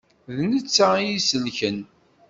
D netta i yi-isellken.